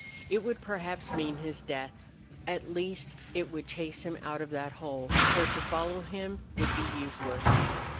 It would perhaps mean his death; at least it would chase him out of that hole, where to follow him would be useless.